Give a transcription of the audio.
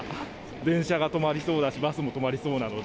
電車が止まりそうだし、バスも止まりそうなので。